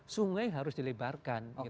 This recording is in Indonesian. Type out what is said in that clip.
sungai harus dilebarkan